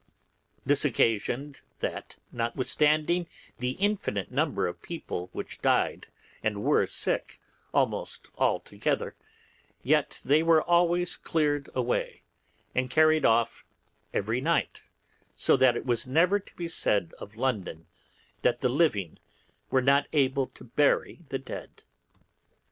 This occasioned, that notwithstanding the infinite number of people which died and were sick, almost all together, yet they were always cleared away and carried off every night, so that it was never to be said of London that the living were not able to bury the dead.